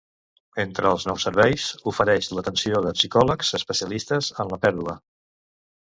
Entre els nous serveis, ofereix l'atenció de psicòlegs especialistes en la pèrdua.